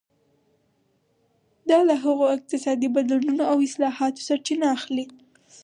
دا له هغو اقتصادي بدلونونو او اصلاحاتو سرچینه اخلي.